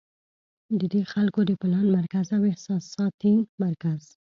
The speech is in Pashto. د دې خلکو د پلان مرکز او احساساتي مرکز